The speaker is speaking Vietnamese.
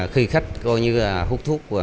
khi khách hút thuốc